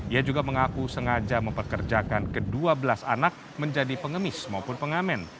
ia juga mengaku sengaja memperkerjakan kedua belas anak menjadi pengemis maupun pengamen